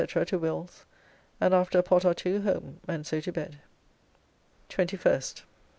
to Will's, and after a pot or two home, and so to bed. 21st.